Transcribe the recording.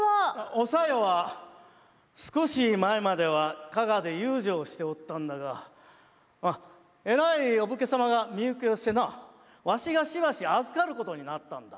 お小夜は少し前までは加賀で遊女をしておったんだが偉いお武家様が身受けをしてなわしがしばし預かることになったんだ。